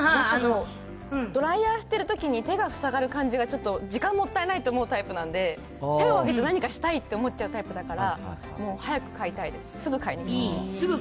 ドライヤーしてるときに、手がふさがる感じが、ちょっと時間もったいないって思うタイプなんで、手を空けて、何かしたいと思っちゃうタイプだから、もう早く買いたいです、すぐ買いにいきます。